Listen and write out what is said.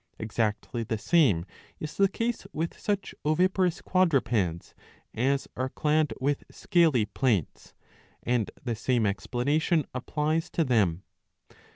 ^ Exactly the same is the case with such oviparous quadrupeds as are clad with scaly plates, and the same explanation applies to them.